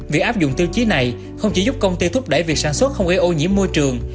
việc áp dụng tiêu chí này không chỉ giúp công ty thúc đẩy việc sản xuất không gây ô nhiễm môi trường